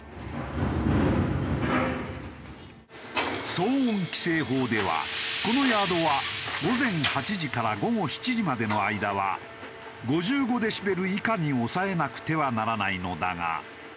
騒音規制法ではこのヤードは午前８時から午後７時までの間は５５デシベル以下に抑えなくてはならないのだが。